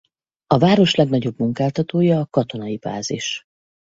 A város legnagyobb munkáltatója a katonai bázis.